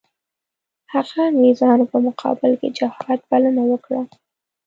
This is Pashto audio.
هغه انګریزانو په مقابل کې د جهاد بلنه ورکړه.